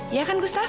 iya kan gustaf